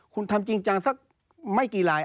คุณทำจริงจังสักไม่กี่ลาย